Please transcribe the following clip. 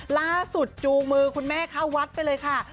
จูงมือคุณแม่เข้าวัดไปเลยค่ะ